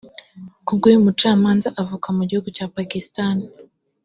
Ku bw’uyu mucamanza uvuka mu gihugu cya Pakistan